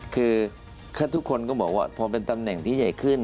คือทุกคนก็บอกว่าพอเป็นตำแหน่งที่ใหญ่ขึ้น